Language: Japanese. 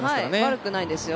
悪くないですよ。